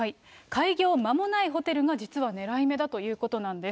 開業間もないホテルが実はねらい目だということなんです。